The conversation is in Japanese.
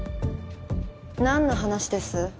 何の話です？